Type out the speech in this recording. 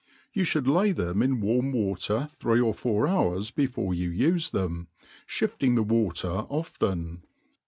You fhoulJ lay them in warm wa ter three or four hours before you ufe them, (hifting the water often.